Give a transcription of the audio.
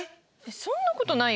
そんなことないよ。